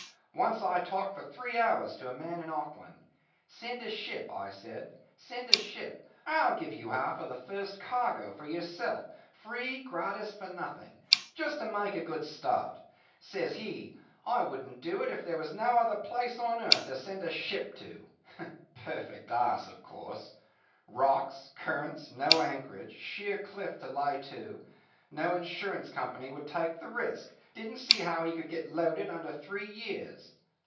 Once I talked for three hours to a man in Auckland. 'Send a ship,' I said, 'send a ship. I'll give you half of the first cargo for yourself, free gratis for nothing just to make a good start.' Says he, 'I wouldn't do it if there was no other place on earth to send a ship to.' Perfect ass, of course. Rocks, currents, no anchorage, sheer cliff to lay to, no insurance company would take the risk, didn't see how he could get loaded under three years.